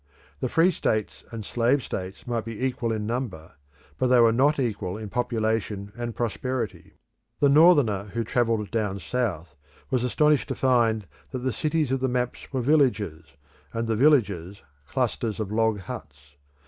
The free states and slave states might be equal in number; but they were not equal in population and prosperity. The Northerner who travelled down South was astonished to find that the cities of the maps were villages, and the villages clusters of log huts.